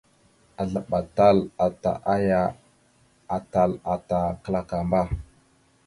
Azləɓatal ata aya atal ata klakamba.